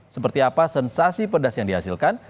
seperti apa sensasi pedas yang dihasilkan